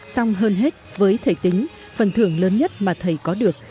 xong hơn hết với thầy tính phần thưởng lớn nhất mà thầy có được